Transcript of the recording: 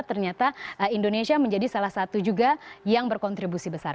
ternyata indonesia menjadi salah satu juga yang berkontribusi besar